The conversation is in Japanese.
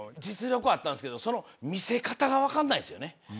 実力あったんすけど見せ方が分かんないんすよね。